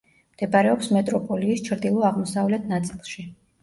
მდებარეობს მეტროპოლიის ჩრდილო-აღმოსავლეთ ნაწილში.